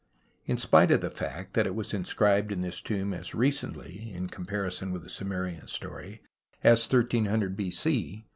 In spite of the fact that it was inscribed in this tomb as recently — in com parison with the Sumerian story — as 1300 B.C.